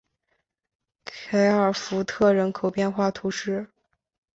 凯尔福特人口变化图示